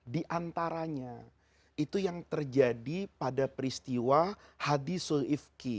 di antaranya itu yang terjadi pada peristiwa hadisul ifqi